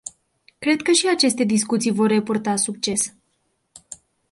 Cred că și aceste discuții vor repurta succes.